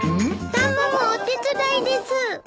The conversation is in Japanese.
タマもお手伝いです。